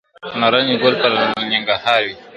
د نارنج ګل به پرننګرهار وي !.